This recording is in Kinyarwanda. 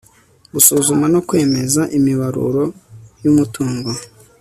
gusuzuma no kwemeza imibaruro y'umutungo